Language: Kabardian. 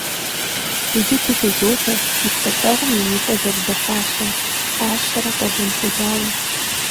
Иджы гу лъызотэ си псэлъэгъум и нитӀыр зэрыдахащэм, пӀащэрэ къуэлэн хъужауэ.